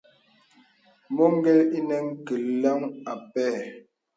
Mɔ gèl ìnə̀ nkelaŋ â pɛ.